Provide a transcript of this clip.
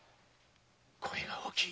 声が大きい。